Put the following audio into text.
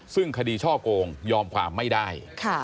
ซึ่งคดีช่อโกงยอมความไม่ได้